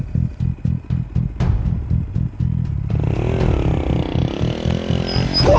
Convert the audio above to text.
barusan saya mau dibega